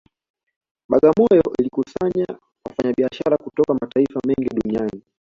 Bagamoyo ilikusanya wafanyabiashara kutoka mataifa mengi duniani